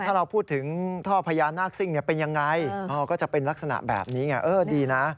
ถ้าเราพูดถึงท่อพญานาคซิ่งเป็นยังไงก็จะเป็นลักษณะแบบนี้ไงเออดีนะ